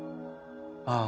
ああ。